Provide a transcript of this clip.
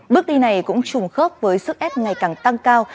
bước đi này cũng trùng khớp với sức ép ngày càng tăng cao